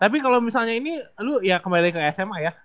tapi kalau misalnya ini lu ya kembali ke sma ya